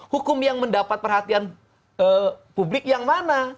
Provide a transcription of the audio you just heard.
hukum yang mendapat perhatian publik yang mana